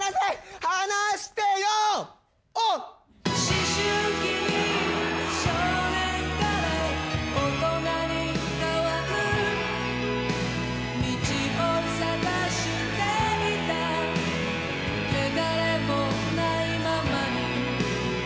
「思春期に少年から大人に変わる」「道を探していた汚れもないままに」